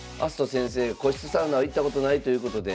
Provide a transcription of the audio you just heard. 先生個室サウナ行ったことないということで。